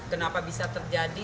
kenapa bisa terjadi